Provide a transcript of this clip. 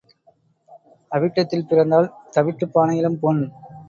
அவிட்டத்தில் பிறந்தால் தவிட்டுப் பானையிலும் பொன்.